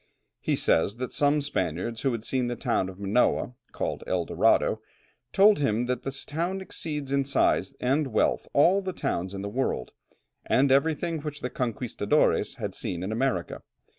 He says that some Spaniards who had seen the town of Manoa, called El Dorado, told him that this town exceeds in size and wealth all the towns in the world, and everything which the "conquistadores" had seen in America.